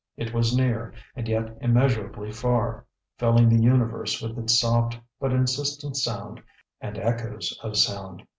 It was near, and yet immeasurably far, filling the universe with its soft but insistent sound and echoes of sound.